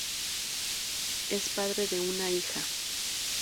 Es padre de una hija.